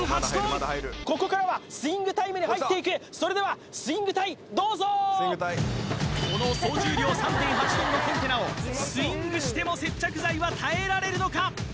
ここからはスイングタイムに入っていくそれではスイング隊どうぞこの総重量３．８ｔのコンテナをスイングしても接着剤は耐えられるのか？